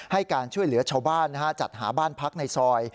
ให้การช่วยเหลือชาวบ้านจัดหาบ้านพักในซอย